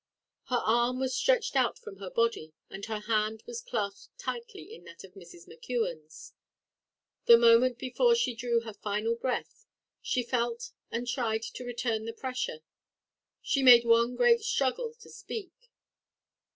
Her arm was stretched out from her body, and her hand was clasped tightly in that of Mrs. McKeon's. The moment before she drew her final breath, she felt and tried to return the pressure; she made one great struggle to speak.